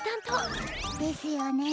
ですよね。